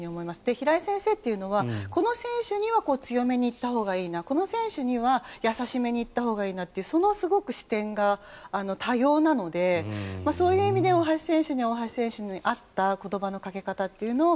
平井先生はこの選手には強めに言ったほうがいいなこの選手には優しめに言ったほうがいいなとかそのすごく視点が、多様なのでそういう意味で大橋選手には大橋選手に合った言葉のかけ方というのが。